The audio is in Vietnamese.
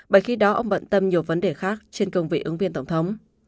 bởi khi đó ông bận tâm nhiều vấn đề khác trên cương vị ứng viên tổng thống